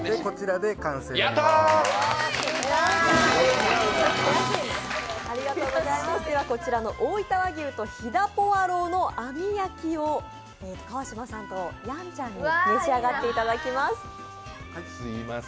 ではこちらの、おおいた和牛と飛騨ポワローの網焼きを川島さんとやんちゃんに召し上がっていただきます。